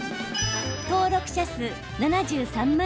登録者数７３万